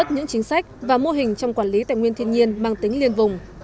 những chính sách và mô hình trong quản lý tài nguyên thiên nhiên mang tính liên vùng